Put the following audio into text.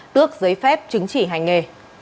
tước giấy phép chứng chỉ hành nghề